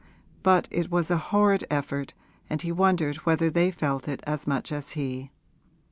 But it was a horrid effort and he wondered whether they felt it as much as he.